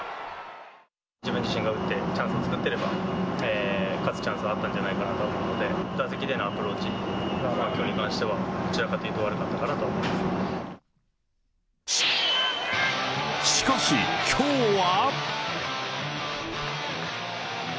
自分自身が打って、チャンスを作っていれば、勝つチャンスはあったんじゃないかと思うので、打席でのアプローチが、きょうに関しては、しかし、きょうは。